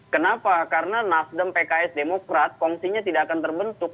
kenapa karena nasdem pks demokrat kongsinya tidak akan terbentuk